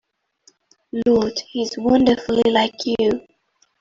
Lord, he's wonderfully like you!